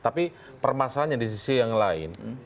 tapi permasalahannya di sisi yang lain